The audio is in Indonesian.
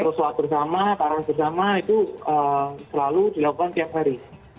terus saat bersama karun bersama itu selalu dilakukan tiap hari